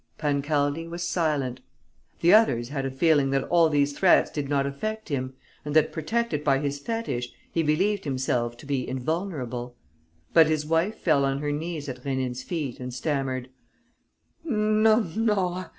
Pancaldi was silent. The others had a feeling that all these threats did not affect him and that, protected by his fetish, he believed himself to be invulnerable. But his wife fell on her knees at Rénine's feet and stammered: "No, no